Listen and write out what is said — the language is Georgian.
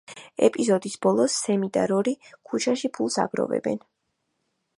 ეპიზოდის ბოლოს, სემი და რორი ქუჩაში ფულს აგროვებენ.